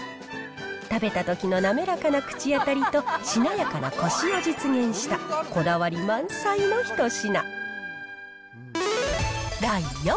食べたときの滑らかな口当たりと、しなやかなこしを実現した、こだわり満載の一品。